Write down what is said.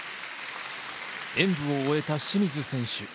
演武を終えた清水選手。